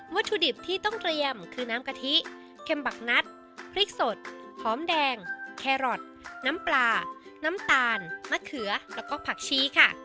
ถุดิบที่ต้องเตรียมคือน้ำกะทิเค็มบักนัดพริกสดหอมแดงแครอทน้ำปลาน้ำตาลมะเขือแล้วก็ผักชีค่ะ